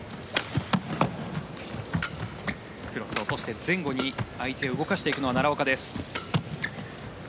クロスを落として前後に相手を動かしていくのは奈良岡です。